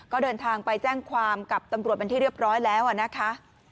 ก็เดินทางไปแจ้งความกับตำรวจเป็นที่เรียบร้อยแล้วนะคะ